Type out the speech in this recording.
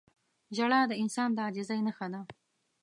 • ژړا د انسان د عاجزۍ نښه ده.